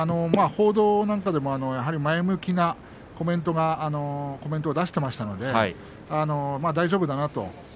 報道なんかでも前向きなコメントを出していましたので大丈夫だなと。